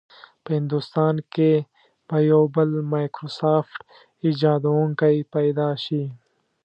په هندوستان کې به یو بل مایکروسافټ ایجادونکی پیدا شي.